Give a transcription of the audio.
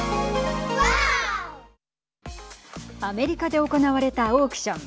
アメリカで行われたオークション。